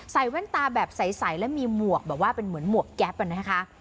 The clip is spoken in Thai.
แว่นตาแบบใสแล้วมีหมวกแบบว่าเป็นเหมือนหมวกแก๊ปนะคะ